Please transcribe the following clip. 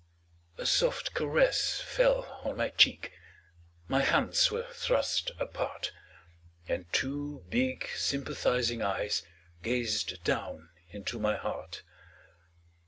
A soft caress fell on my cheek, My hands were thrust apart. And two big sympathizing eyes Gazed down into my heart.